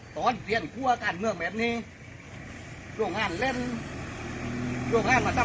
ตอนเตรียมกลัวการเมื่อเม็ดนี้ลูกงานเล่นลูกงานมาสร้าง